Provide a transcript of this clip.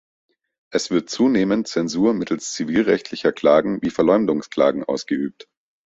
Es wird zunehmend Zensur mittels zivilrechtlicher Klagen wie Verleumdungsklagen ausgeübt.